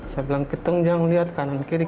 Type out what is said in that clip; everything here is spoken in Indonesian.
saya bilang keteng jangan lihat kanan kiri